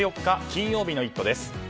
金曜日の「イット！」です。